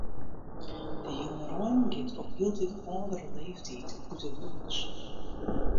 De jongerein giet op hieltyd âldere leeftiid út 'e hûs.